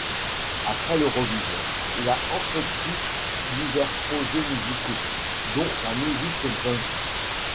Après l'Eurovision, il a entrepris divers projets musicaux, dont la musique punk.